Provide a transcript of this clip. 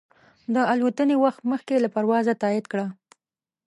د الوتنې وخت مخکې له پروازه تایید کړه.